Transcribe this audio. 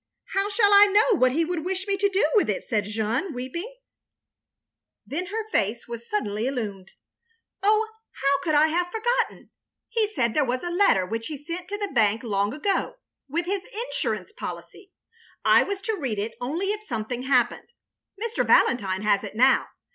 " "How shall I know what he would wish me to do with it —" said Jeanne weeping; then her face was suddenly illumined. "Oh, how could 3o8 THE LONELY LADY I have forgotten. He said — ^there was a letter which he sent to the Bank long ago, with his Instirance policy. I was to read it only if some thing happened. Mr. Valentine has it now.